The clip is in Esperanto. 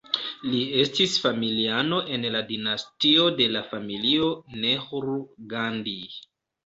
Li estis familiano en la dinastio de la Familio Nehru-Gandhi.